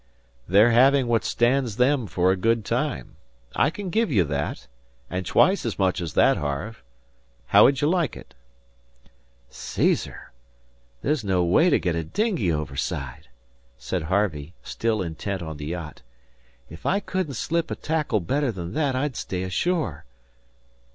"They're having what stands them for a good time. I can give you that, and twice as much as that, Harve. How'd you like it?" "Caesar! That's no way to get a dinghy overside," said Harvey, still intent on the yacht. "If I couldn't slip a tackle better than that I'd stay ashore.